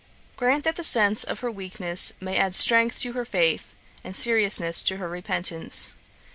Grant that the sense of her weakness may add strength to her faith, and seriousness to her repentance.